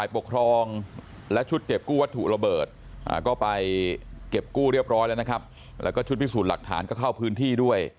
ไปเก็บกู้เรียบร้อยแล้วนะครับแล้วก็ชุดพิสูจน์หลักฐานก็เข้าพื้นที่ด้วย